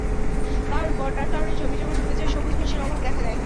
কারণ, বন্যার কারণে জমিজমা ডুবে যায়, সবুজ ঘাসের অভাব দেখা দেয়।